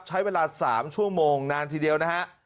ใช้เวลา๓ชั่วโมงนานทีเดียวนะฮะ